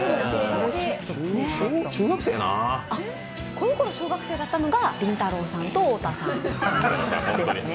この頃、小学生だったのがりんたろーさんと太田さんですね。